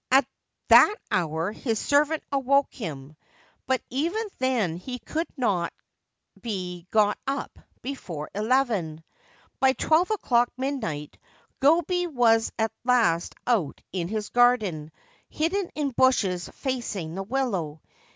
At that hour his servant awoke him ; but even then he could not be got up before eleven. By twelve o'clock, midnight, Gobei was at last out in his garden, hidden in bushes facing the willow.